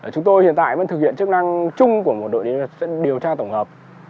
chúng tôi hiện tại vẫn thực hiện chức năng chung của một đội dẫn điều tra tổng hợp